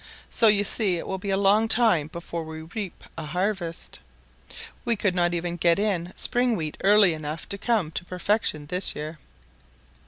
So you see it will be a long time before we reap a harvest. We could not even get in spring wheat early enough to come to perfection this year.